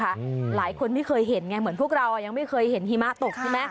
หลายคนไม่เคยเห็นไงเหมือนพวกเราอ่ะยังไม่เคยเห็นหิมะตกใช่ไหม